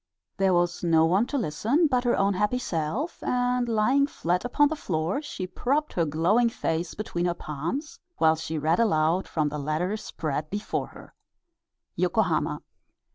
There was no one to listen but her own happy self, and lying flat upon the floor she propped her glowing face between her palms, while she read aloud from the letter spread before her: YOKOHAMA.